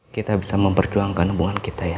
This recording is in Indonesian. kita bisa memperjuangkan hubungan kita ya